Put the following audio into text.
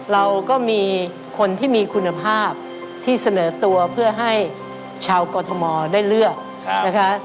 เราก็มีคนที่มีคุณภาพที่เสนอตัวเพื่อให้ชาวกรทมได้เลือกนะคะ